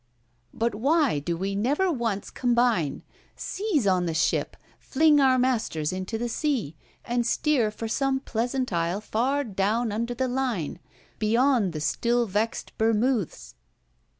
But why do we never once combine—seize on the ship, fling our masters into the sea, and steer for some pleasant isle far down under the Line, beyond the still vexed Bermoothes?